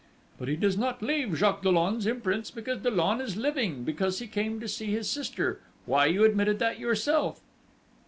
"But he does not leave Jacques Dollon's imprints, because Dollon is living, because he came to see his sister why, you admitted that yourself!"